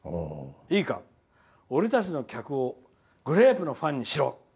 いいか、俺たちの客をグレープのファンにしろ。